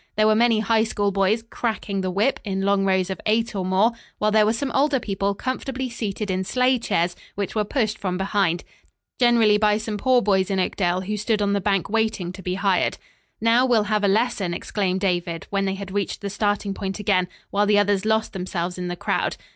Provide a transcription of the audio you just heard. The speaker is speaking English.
There were many High School boys "cracking the whip" in long rows of eight or more, while there were some older people comfortably seated in sleigh chairs which were pushed from behind, generally by some poor boys in Oakdale, who stood on the bank waiting to be hired. "Now, we'll have a lesson," exclaimed David when they had reached the starting point again, while the others lost themselves in the crowd.